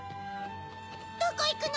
どこいくの？